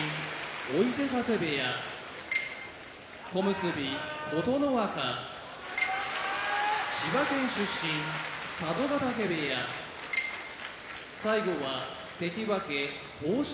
追手風部屋小結・琴ノ若千葉県出身佐渡ヶ嶽部屋関脇豊昇